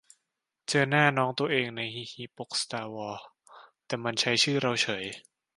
เจอหน้าน้องตัวเอง ใน ฮิฮิ ปกสตาร์วอร์ แต่มันใช้ชื่อเราเฉย